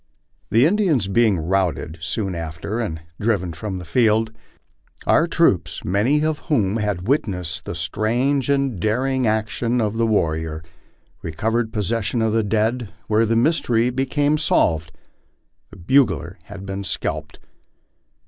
The Indians being routed soon after and driven from the field, our troops, many of whom had witnessed the strange and daring action of the warrior, recovered possession of the dead, when the mystery became solved. The bugler had been scalped.